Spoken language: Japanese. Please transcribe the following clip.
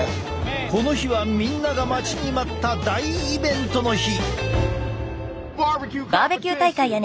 この日はみんなが待ちに待った大イベントの日！